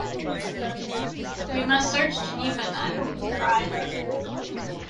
"We must search Geneva, then," he cried.